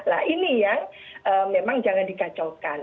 nah ini yang memang jangan dikacaukan